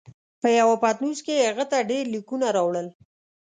په یوه پتنوس کې یې هغه ته ډېر لیکونه راوړل.